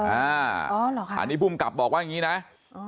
อ่าอ๋อเหรอคะอันนี้คุมกับบอกว่าอย่างงี้นะอ๋อ